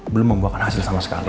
belum membuahkan hasil sama sekali